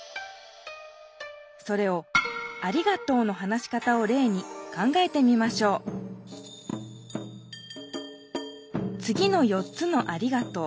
それを「ありがとう」の話し方をれいに考えてみましょうつぎの４つの「ありがとう」。